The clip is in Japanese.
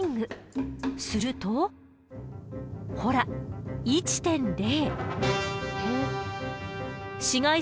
するとほら１．０。